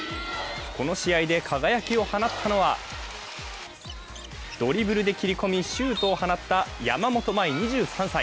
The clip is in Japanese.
この試合で輝きを放ったのはドリブルで切り込みシュートを放った山本麻衣２３歳。